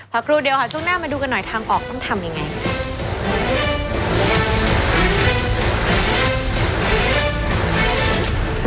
ครูเดียวค่ะช่วงหน้ามาดูกันหน่อยทางออกต้องทำยังไง